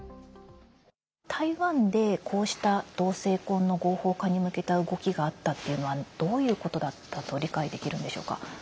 台湾で、こうした同性婚の合法化に向けた動きがあったというのはどういうことだったと理解できるんでしょうか。